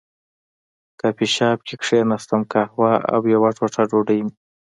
کافي شاپ کې کېناستم، قهوه او یوه ټوټه ډوډۍ مې.